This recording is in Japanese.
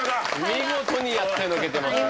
見事にやってのけてます。